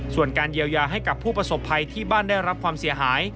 ส่วนการเยียวยาให้กับผู้ประสบภัยที่บ้านได้รับความเสียหาย